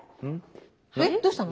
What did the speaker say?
えっどうしたの？